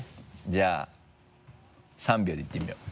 じゃあ３秒でいってみよう。